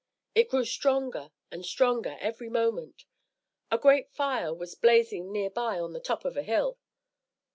It grew stronger and stronger every moment. A great fire was blazing near by on the top of a hill!